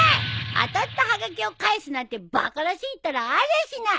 当たったはがきを返せなんてバカらしいったらありゃしない！